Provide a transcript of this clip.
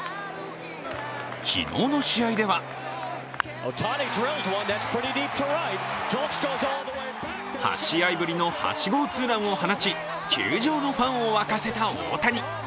昨日の試合では８試合ぶりの８号ツーランを放ち球場のファンを沸かせた大谷。